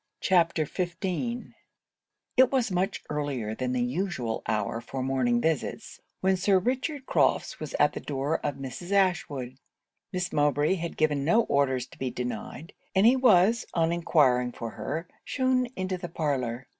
CHAPTER XV It was much earlier than the usual hour for morning visits, when Sir Richard Crofts was at the door of Mrs. Ashwood. Miss Mowbray had given no orders to be denied; and he was, on enquiring for her, shewn into the parlour.